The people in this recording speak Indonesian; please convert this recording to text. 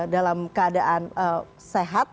dalam keadaan sehat